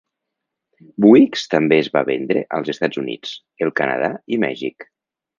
Buicks també es va vendre als Estats Units, el Canadà i Mèxic.